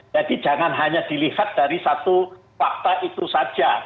jadi jangan hanya dilihat dari satu fakta itu saja